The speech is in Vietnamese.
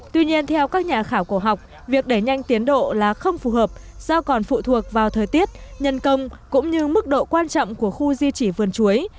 tuy nhiên theo các nhà khảo cổ học việc đẩy nhanh tiến độ là không phù hợp do còn phụ thuộc vào thời tiết nhân công cũng như mức độ quan trọng của khu di trì vườn chuối